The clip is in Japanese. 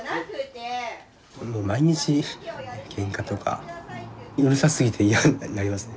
毎日けんかとかうるさすぎて嫌になりますね。